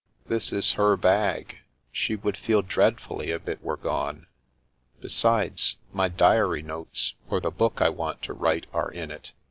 This is her bag. She would feel dreadfully if it were gone. Besides, my diary notes for the book I want to write are in it.